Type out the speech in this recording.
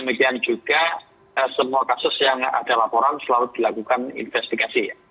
demikian juga semua kasus yang ada laporan selalu dilakukan investigasi ya